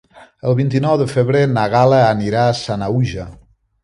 El vint-i-nou de febrer na Gal·la anirà a Sanaüja.